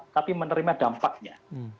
tapi menerima dampaknya